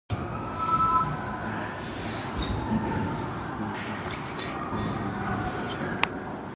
The city is also renowned for its unique wooden architecture.